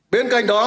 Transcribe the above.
bên cạnh đó